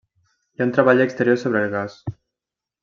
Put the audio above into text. Hi ha un treball exterior sobre el gas.